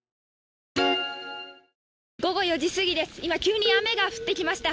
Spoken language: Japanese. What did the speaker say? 午後４時すぎです、今、急に雨が降ってきました。